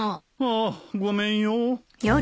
ああごめんよ。